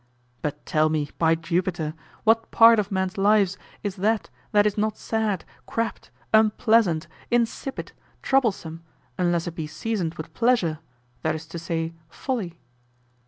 But tell me, by Jupiter, what part of man's life is that that is not sad, crabbed, unpleasant, insipid, troublesome, unless it be seasoned with pleasure, that is to say, folly?